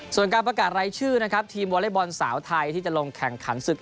ส่วนการประกาศรายชื่อนะครับทีมวอเล็กบอลสาวไทยที่จะลงแข่งขันศึก